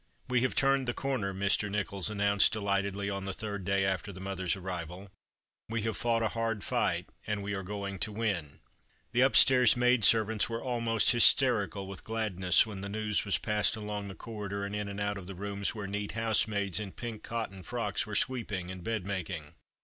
" We have turned the corner," Mr. Nicholls announced delightedly on the third day after the mother's arrival. " We have fought a hard fight, and we are going to win." The upstair maidservants were almost hysterical with gladness when the news was passed along the corridor and in and out of the rooms where neat housemaids in pink cotton frocks were sweeping and bed making.